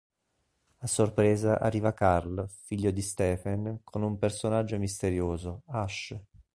A sorpresa arriva Carl, figlio di Stephen, con un personaggio misterioso, Ash.